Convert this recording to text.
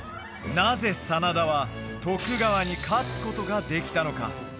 なぜ真田は徳川に勝つことができたのか？